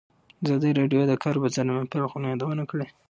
ازادي راډیو د د کار بازار د منفي اړخونو یادونه کړې.